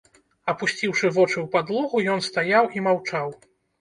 Апусціўшы вочы ў падлогу, ён стаяў і маўчаў.